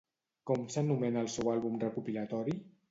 Com s'anomena el seu àlbum recopilatori?